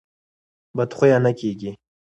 بد خویه نه کېږي.